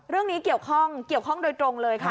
เรื่องนี้เกี่ยวข้องโดยตรงเลยค่ะ